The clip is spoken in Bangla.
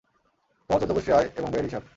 তোমার চৌদ্দ গোষ্ঠীর আয় এবং ব্যয়ের হিসাব।